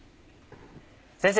先生